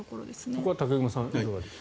ここは武隈さんいかがですか？